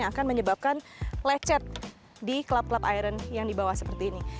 yang akan menyebabkan lecet di klub klub iron yang di bawah seperti ini